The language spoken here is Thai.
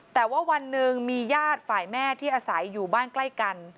แต่ว่าวันหนึ่งมีญาติฝ่ายแม่ที่อาศัยอยู่บ้านใกล้กัน